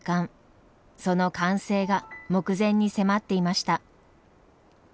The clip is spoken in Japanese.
その完成が目前に迫っていました。